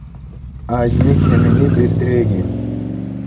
اج می کھمینین بدریگ این